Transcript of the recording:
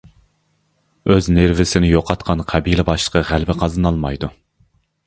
-ئۆز نېرۋىسىنى يوقاتقان قەبىلە باشلىقى غەلىبە قازىنالمايدۇ.